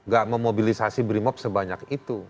gak memobilisasi brimob sebanyak itu